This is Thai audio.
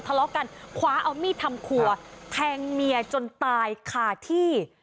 ทะเลาะกันคว้าเอามีดทำครัวแทงเมียจนตายคาที่